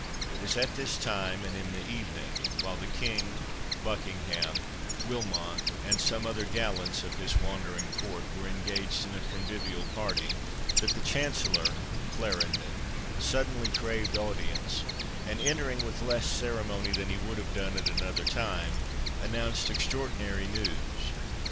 It was at this time, and in the evening, while the King, Buckingham, Wilmot, and some other gallants of his wandering Court, were engaged in a convivial party, that the Chancellor (Clarendon) suddenly craved audience, and, entering with less ceremony than he would have done at another time, announced extraordinary news.